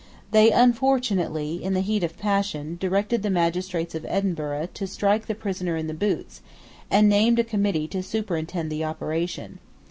They unfortunately, in the heat of passion, directed the magistrates of Edinburgh to strike the prisoner in the boots, and named a Committee to superintend the operation.